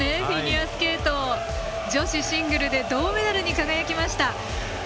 フィギュアスケートの女子シングルで銅メダルに輝きました。